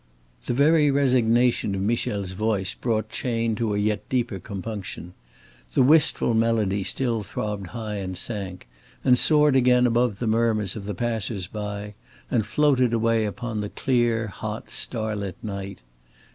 The very resignation of Michel's voice brought Chayne to a yet deeper compunction. The wistful melody still throbbed high and sank, and soared again above the murmurs of the passers by and floated away upon the clear hot starlit night.